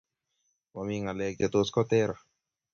Mami ngalek che tos kotero.